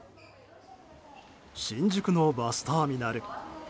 新宿のバスターミナル。